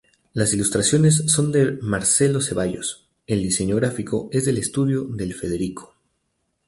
Las ilustraciones son de Marcelo Zeballos; el diseño gráfico es del Estudio Del Federico.